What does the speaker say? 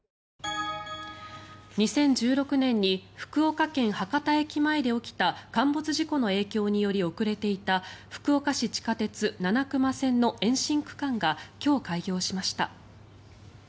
２０１６年に福岡県・博多駅前で起きた陥没事故の影響により遅れていた福岡市地下鉄七隈線の延伸区間が今日、開業しました。